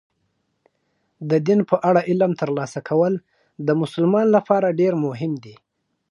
د دین په اړه علم ترلاسه کول د مسلمان لپاره ډېر مهم دي.